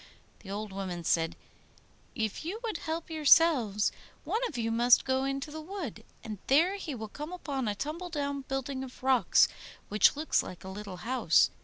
The old woman said, 'If you would help yourselves, one of you must go into the wood, and there he will come upon a tumble down building of rocks which looks like a little house.